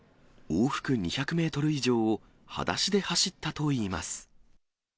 往復２００メートル以上を裸足で走ったといいます。